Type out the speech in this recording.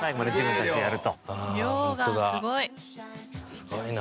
すごいな。